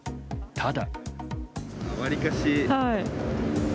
ただ。